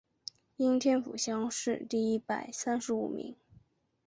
应天府乡试第一百三十五名。